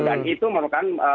dan itu merupakan